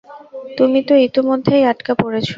তুমি তো ইতিমধ্যেই আটকা পড়েছো।